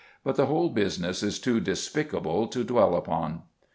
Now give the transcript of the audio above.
But the whole business is too despicable to dwell upon.